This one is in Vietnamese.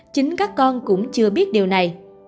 chính các con cũng chưa biết điều này